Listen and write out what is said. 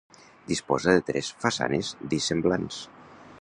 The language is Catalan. Disposa de tres façanes dissemblants.